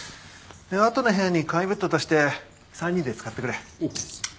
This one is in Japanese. であとの部屋に簡易ベッド足して３人で使ってくれ。